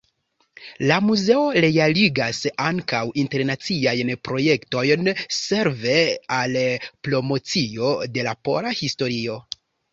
La muzeo realigas ankaŭ internaciajn projektojn, serve al promocio de la pola historio.